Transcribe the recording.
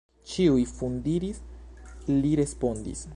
Ĉiuj fundiris, li respondis.